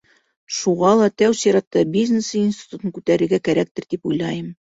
Шуға ла тәү сиратта бизнес институтын күтәрергә кәрәктер, тип уйлайым.